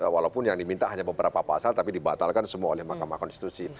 walaupun yang diminta hanya beberapa pasal tapi dibatalkan semua oleh mahkamah konstitusi